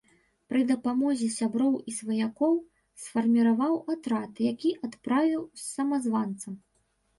Пры дапамозе сяброў і сваякоў сфарміраваў атрад, які адправіў з самазванцам.